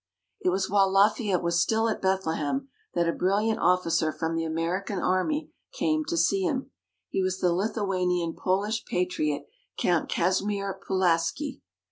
It was while Lafayette was still at Bethlehem, that a brilliant officer from the American Army came to see him. He was the Lithuanian Polish Patriot, Count Casimir Pulaski.